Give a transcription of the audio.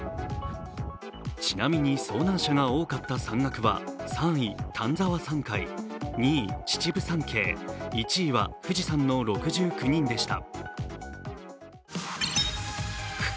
ちなみに遭難者が多かった山岳は３位丹沢山塊、２位・秩父山系、１位は富士山の６９人でした。